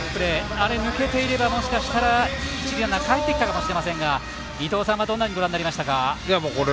あれ抜けていれば、もしかしたらかえってきたかもしれませんが伊東さんはどんなふうにご覧になりましたか？